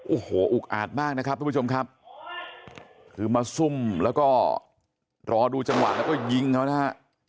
โอ้โหอุกอาจมากนะครับทุกผู้ชมครับคือมาซุ่มแล้วก็รอดูจังหวะแล้วก็ยิงเขานะฮะ